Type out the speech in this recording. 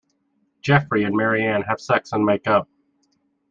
Jeffrey and Marianne have sex and makeup.